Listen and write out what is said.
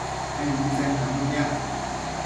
en umbitsen tannu piac